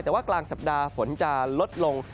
แต่ว่ากลางสัปดาห์ฝนจะลดลง